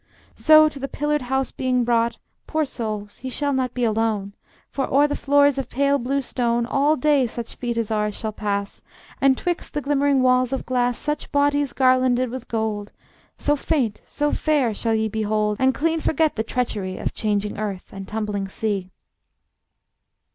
So to the pillared house being brought, Poor souls, ye shall not be alone, For o'er the floors of pale blue stone All day such feet as ours shall pass, And 'twixt the glimmering walls of glass, Such bodies garlanded with gold, So faint, so fair, shall ye behold, And clean forget the treachery Of changing earth and tumbling sea.